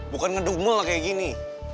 bukan ngedumul kayak gini